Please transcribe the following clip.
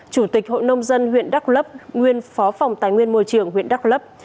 chủ tịch hội nông dân huyện đắc lấp nguyên phó phòng tài nguyên môi trường huyện đắc lấp